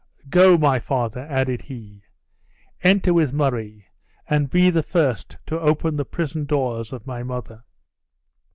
"Go, my father," added he; "enter with Murray, and be the first to open the prison doors of my mother."